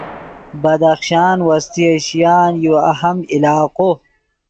بدخشان وسطی ایشیان یو اہم علاقو